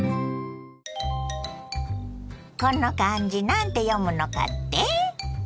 この漢字何て読むのかって？